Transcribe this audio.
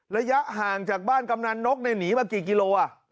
ระยะห่างจากบ้านกำนันนกหนีมากี่กิโล